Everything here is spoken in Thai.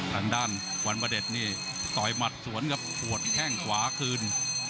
ทางด้านวันพระเด็ดนี่ต่อยหมัดสวนครับปวดแข้งขวาคืน